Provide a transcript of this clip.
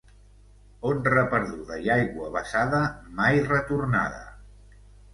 Honra perduda i aigua vessada, mai retornada.